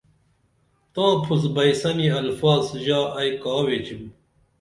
تاں پُھس بئی سنی الفظ ژا ائی کا ویچِم